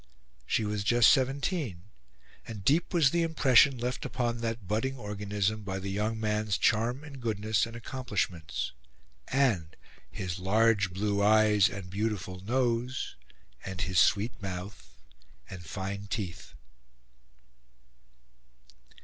She was just seventeen; and deep was the impression left upon that budding organism by the young man's charm and goodness and accomplishments, and his large blue eyes and beautiful nose, and his sweet mouth and fine teeth.